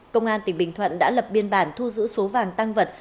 công an tỉnh bình thuận đã lập biên bản thu giữ số vàng tăng vật